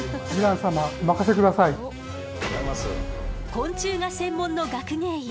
昆虫が専門の学芸員